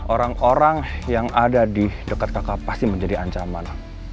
orang orang yang ada di dekat kakak pasti menjadi ancaman